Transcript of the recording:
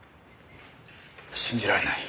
信じられない。